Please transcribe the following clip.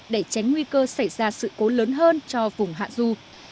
để tránh nguy cơ xảy ra sự cố lớn hơn cho vùng hạ du